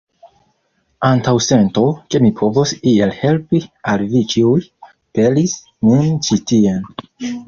Antaŭsento, ke mi povos iel helpi al vi ĉiuj, pelis min ĉi tien.